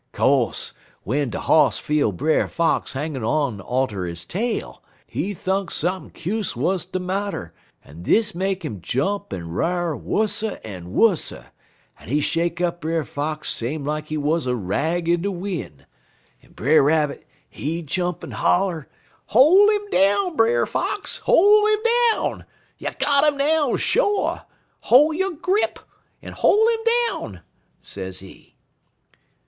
"Co'se, w'en de Hoss feel Brer Fox hangin' dar onter he tail, he thunk sump'n' kuse wuz de marter, en dis make 'im jump en r'ar wusser en wusser, en he shake up Brer Fox same like he wuz a rag in de win', en Brer Rabbit, he jump en holler: "'Hol' 'im down, Brer Fox! Hol' 'im down! You got 'im now, sho'! Hol' yo' grip, en hol' 'im down,' sezee.